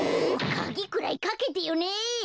かぎくらいかけてよね！